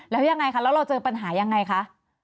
แล้วยังไงคะแล้วเราเจอปัญหายังไงคะ